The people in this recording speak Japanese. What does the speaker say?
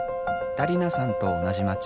ダリナさんと同じ街